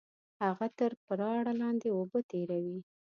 هغه تر پراړه لاندې اوبه تېروي